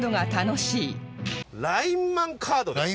ラインマンカードです。